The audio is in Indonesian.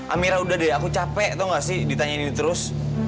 amira udah deh aku capek tau gak sih ditanyainin terus